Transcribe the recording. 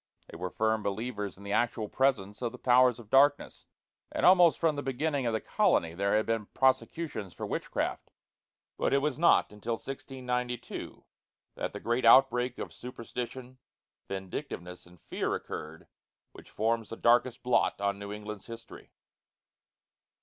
They were firm believers in the actual presence of the powers of darkness, and almost from the beginning of the colony there had been prosecutions for witchcraft. But it was not until 1692 that the great outbreak of superstition, vindictiveness, and fear occurred, which forms the darkest blot on New England's history.